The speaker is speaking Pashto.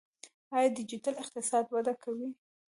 آیا ډیجیټل اقتصاد وده کوي؟